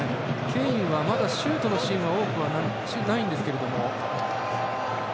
ケインは、まだシュートのシーンは多くないです。